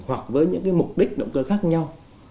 hoặc với những cái mục đích động cơ khác nhau